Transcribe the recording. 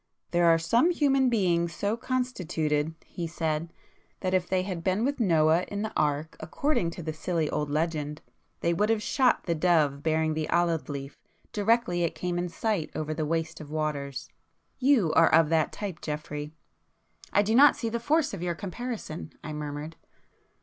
"There are some human beings so constituted," he said, "that if they had been with Noah in the ark according to the silly old legend, they would have shot the dove bearing the olive leaf, directly it came in sight over the waste of waters. You are of that type Geoffrey." "I do not see the force of your comparison," I murmured.